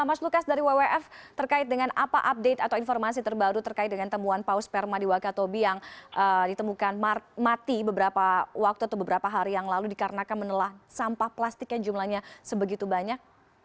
mas lukas dari wwf terkait dengan apa update atau informasi terbaru terkait dengan temuan paus sperma di wakatobi yang ditemukan mati beberapa waktu atau beberapa hari yang lalu dikarenakan menelah sampah plastik yang jumlahnya sebegitu banyak